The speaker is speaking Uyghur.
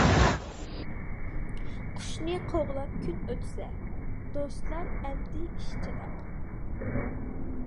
قۇشنى قوغلاپ كۈن ئۆتسە، دوستلار ئەمدى ئىش چاتاق.